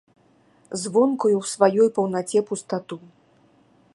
Звонкую ў сваёй паўнаце пустату.